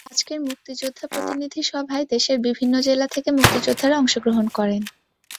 আজকের মুক্তিযোদ্ধা প্রতিনিধি সভায় দেশের বিভিন্ন জেলা থেকে মুক্তিযোদ্ধারা অংশগ্রহণ করেন।